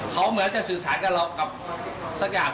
เขาเหมือนจะสื่อสารกับเรากับสักอย่าง